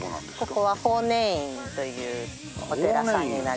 ここは法然院というお寺さんになります。